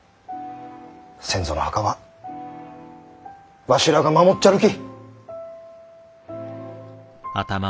先祖の墓はわしらが守っちゃるき。